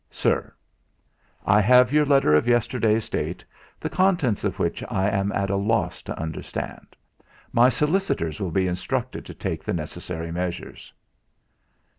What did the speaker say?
"SIR, I have your letter of yesterday's date, the contents of which I am at a loss to understand. My solicitors will be instructed to take the necessary measures."